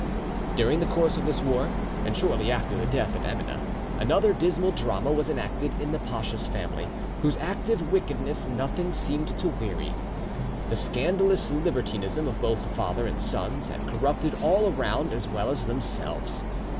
During the course of this war, and shortly after the death of Emineh, another dismal drama was enacted in the pacha's family, whose active wickedness nothing seemed to weary. The scandalous libertinism of both father and sons had corrupted all around as well as themselves.